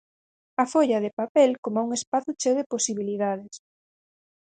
A folla de papel coma un espazo cheo de posibilidades.